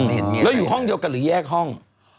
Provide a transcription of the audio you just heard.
แล้วอยู่ห้องเดียวกันหรือแยกห้อง